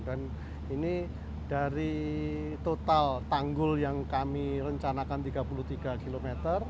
dan ini dari total tanggul yang kami rencanakan tiga puluh tiga km